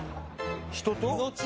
人と？